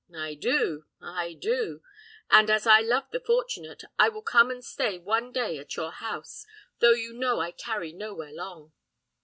I do, I do; and as I love the fortunate, I will come and stay one day at your house, though you know I tarry nowhere long."